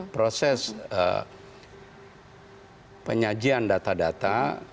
proses penyajian data data